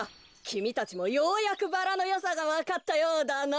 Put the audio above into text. きみたちもようやくバラのよさがわかったようだな。